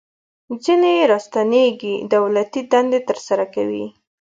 ځینې چې راستنیږي دولتي دندې ترسره کوي.